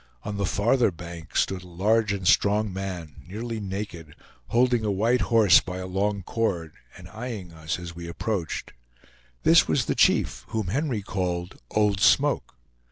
On the farther bank stood a large and strong man, nearly naked, holding a white horse by a long cord, and eyeing us as we approached. This was the chief, whom Henry called "Old Smoke."